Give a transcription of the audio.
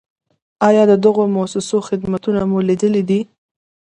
آیا د دغو مؤسسو خدمتونه مو لیدلي دي؟